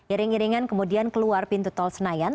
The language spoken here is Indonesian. iring iringan kemudian keluar pintu tol senayan